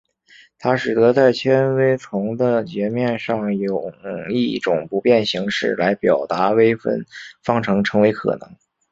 它使得在纤维丛的截面上用一种不变形式来表达微分方程成为可能。